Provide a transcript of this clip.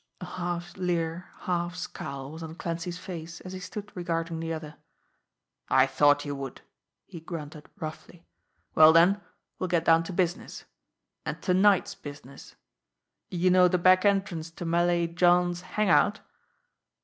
A half leer, half scowl was on Clancy's face, as he stood regarding the other. "I thought you would!" he grunted roughly. "Well then, we'll get down to business and to night's business. You know the back entrance to Malay John's hang out?"